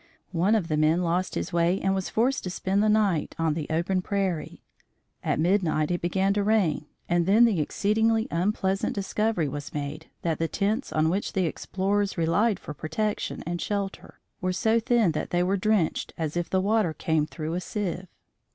One of the men lost his way and was forced to spend the night on the open prairie. At midnight it began to rain, and then the exceedingly unpleasant discovery was made that the tents on which the explorers relied for protection and shelter were so thin that they were drenched as if the water came through a sieve.